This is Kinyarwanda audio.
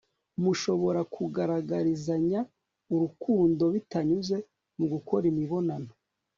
mushobora kugaragarizanya urukundo, bitanyuze mu gukora imibonano